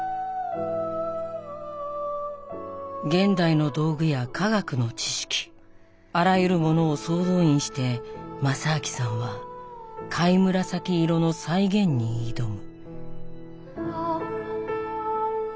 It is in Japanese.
現代の道具や化学の知識あらゆるものを総動員して正明さんは貝紫色の再現に挑む。